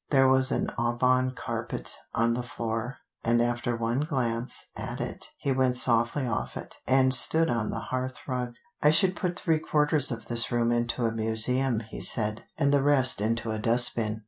There was an Aubonne carpet on the floor, and after one glance at it he went softly off it, and stood on the hearth rug. "I should put three quarters of this room into a museum," he said, "and the rest into a dust bin.